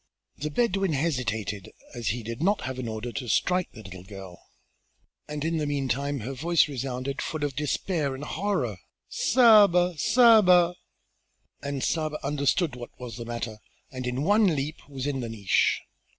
The Bedouin hesitated, as he did not have an order to strike the little girl, and in the meantime her voice resounded full of despair and horror: "Saba! Saba!" And Saba understood what was the matter and in one leap was in the niche.